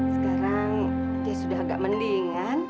sekarang dia sudah agak mendingan